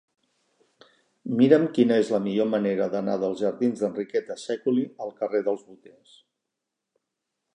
Mira'm quina és la millor manera d'anar dels jardins d'Enriqueta Sèculi al carrer dels Boters.